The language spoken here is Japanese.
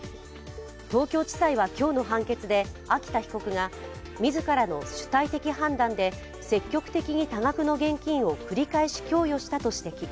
東京地裁は今日の判決で秋田被告が自らの主体的判断で積極的に多額の現金を繰り返し供与したと指摘。